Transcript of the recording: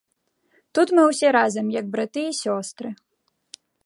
Тут мы ўсе разам як браты і сёстры.